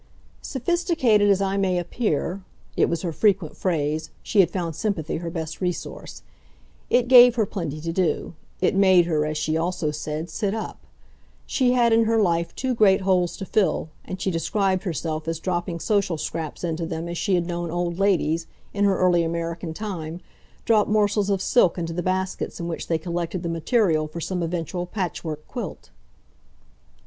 "Sophisticated as I may appear" it was her frequent phrase she had found sympathy her best resource. It gave her plenty to do; it made her, as she also said, sit up. She had in her life two great holes to fill, and she described herself as dropping social scraps into them as she had known old ladies, in her early American time, drop morsels of silk into the baskets in which they collected the material for some eventual patchwork quilt.